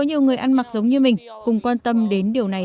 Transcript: có nhiều người ăn mặc giống như mình cùng quan tâm đến điều này